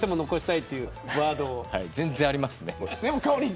全然ありますね。